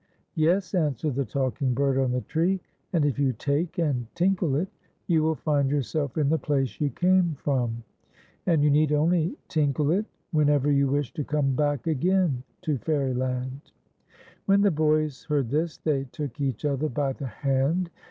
"Yes," answered the talking bird on the tree, "and if \ ou take and tinkle it, you will find yourself in the place you came from ; and you need only tinkle it when ever you wish to come back again to Fairyland." When the boys heard this they took each other by the hand.